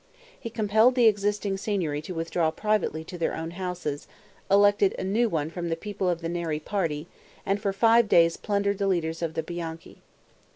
He compelled the existing Signory to withdraw privately to their own houses, elected a new one from the people of the Neri party, and for five days plundered the leaders of the Bianchi.